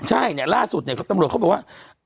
ใช่ล่าสุดตำรวจเขาบอกว่า